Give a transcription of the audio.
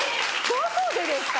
どこでですか？